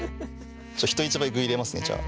人一倍具入れますねじゃあ。